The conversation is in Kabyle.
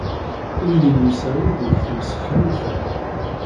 Ur yelli usaru deg temseknewt-a.